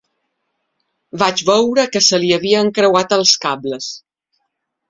Vaig veure que se li havien creuat els cables.